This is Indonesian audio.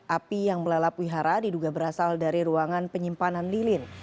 api yang melalap wihara diduga berasal dari ruangan penyimpanan lilin